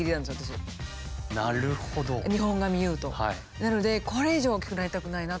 なのでこれ以上は大きくなりたくないなとは思います。